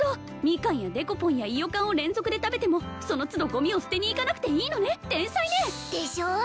みかんやデコポンやいよかんを連続で食べてもその都度ゴミを捨てに行かなくていいのね天才ねでしょう？